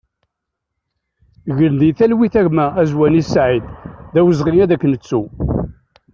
Gen di talwit a gma Azwani Saïd, d awezɣi ad k-nettu!